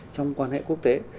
trong quan hệ quốc tế